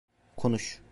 Konuş.